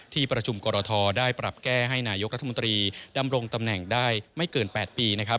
ที่ประชุมกรทได้ปรับแก้ให้นายกรัฐมนตรีดำรงตำแหน่งได้ไม่เกิน๘ปีนะครับ